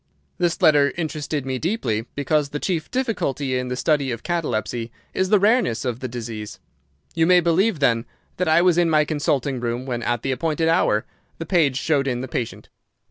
"This letter interested me deeply, because the chief difficulty in the study of catalepsy is the rareness of the disease. You may believe, then, that I was in my consulting room when, at the appointed hour, the page showed in the patient.